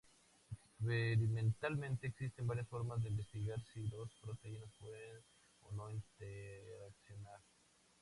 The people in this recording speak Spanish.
Experimentalmente, existen varias formas de investigar si dos proteínas pueden o no interaccionar.